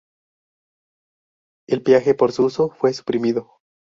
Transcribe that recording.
El peaje por su uso fue suprimido.